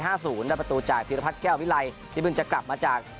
ถึงได้ประตูจากภีรพัฒน์แก้ววิไลที่มึงจะกลับมาจาก